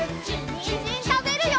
にんじんたべるよ！